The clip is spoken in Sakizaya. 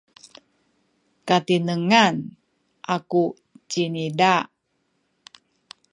katinengan aku ciniza.